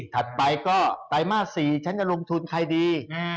ถัดไปก็ไตรมาส๔ฉันจะลงทุนใครดี